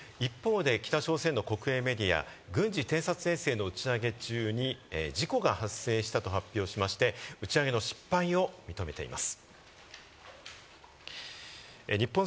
一方で、北朝鮮の国営メディア、軍事偵察衛星の打ち上げ中に事故が発生したと発表しまして、打ち上げの失敗を認めています。